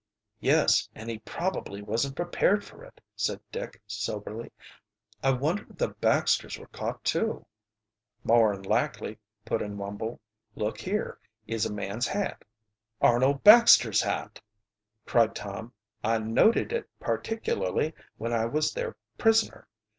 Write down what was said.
"Yes, and he probably wasn't prepared for it," said Dick soberly. "I wonder if the Baxters were caught, too?" "More'n likely," put in Wumble. "Look, here is a man's hat." "Arnold Baxter's hat," cried Tom. "I noted it particularly when I was their prisoner.